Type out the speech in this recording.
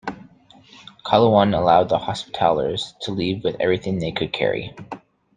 Qalawun allowed the Hospitallers to leave with everything they could carry.